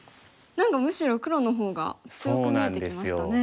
何かむしろ黒の方が強く見えてきましたね。